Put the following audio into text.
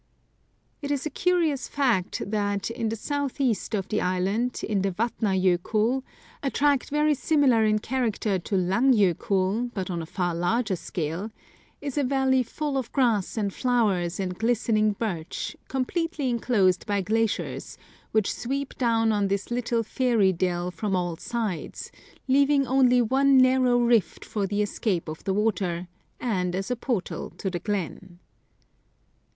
It is a curious fact that, in the south east of the island, in the Vatna Jokull, a tract very similar in character to Lang Jokull, but on a far larger scale, 222 A Mysterious Vale is a valley full of grass and flowers and glistening birch, completely enclosed by glaciers, which sweep down on this little fairy dell from all sides, leaving only one narrow rift for the escape of the water, and as a portal to the glen.